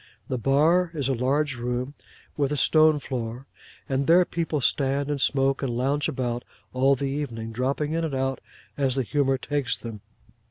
The bar is a large room with a stone floor, and there people stand and smoke, and lounge about, all the evening: dropping in and out as the humour takes them.